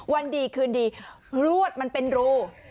วันดีคืนดีลวดมันเป็นรู